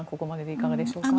いかがでしょうか。